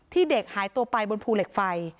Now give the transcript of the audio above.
เด็กหายตัวไปบนภูเหล็กไฟ